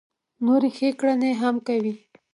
نورې ښې کړنې هم کوي.